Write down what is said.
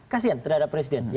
kasian terhadap presiden